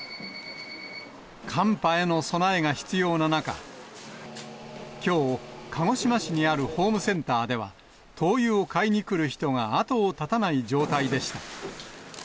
寒波への備えが必要な中、きょう、鹿児島市にあるホームセンターでは、灯油を買いに来る人が後を絶たない状態でした。